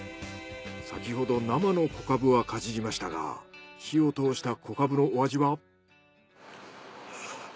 さきほど生の小かぶはかじりましたが火を通した小かぶのお味は？